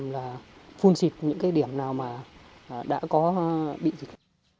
là phun xịt những cái điểm nào mà đã có bị dịch